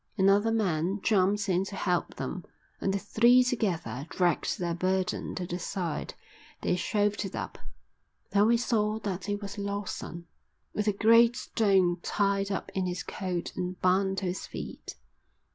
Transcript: Another man jumped in to help them, and the three together dragged their burden to the side. They shoved it up. Then we saw that it was Lawson, with a great stone tied up in his coat and bound to his feet.